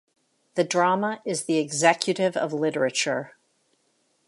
The drama is the executive of literature.